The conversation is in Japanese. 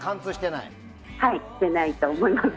してないと思います。